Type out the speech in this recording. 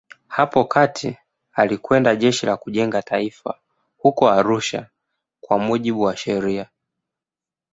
Hapo kati alikwenda Jeshi la Kujenga Taifa huko Arusha kwa mujibu wa sheria.